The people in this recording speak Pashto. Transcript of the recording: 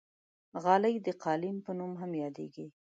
غالۍ د قالین په نوم هم یادېږي.